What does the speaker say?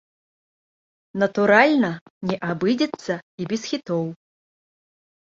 Натуральна, не абыдзецца і без хітоў.